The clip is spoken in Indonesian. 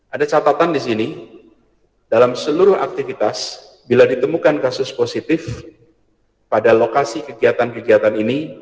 ada catatan di sini dalam seluruh aktivitas bila ditemukan kasus positif pada lokasi kegiatan kegiatan ini